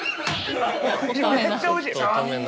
めっちゃおいしい！